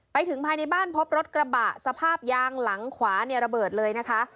ไปถึงภายในบ้านพบรถกระบะสภาพยางหลังขวาเนี่ยระเบิดเลยนะคะ